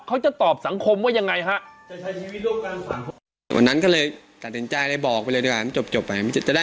เขาจะตอบสังคมว่ายังไงฮะ